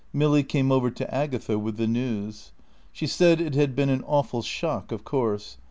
Milly came over to Agatha with the news. She said it had been an awful shock, of course.